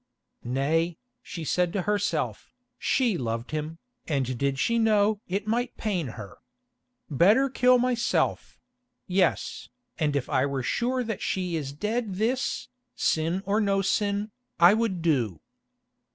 "Nay," she said to herself, "she loved him, and did she know it might pain her. Better kill myself; yes, and if I were sure that she is dead this, sin or no sin, I would do."